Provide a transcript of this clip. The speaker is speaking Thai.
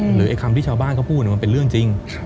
ไอ้คำที่ชาวบ้านเขาพูดมันเป็นเรื่องจริง